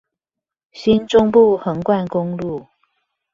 新中部橫貫公路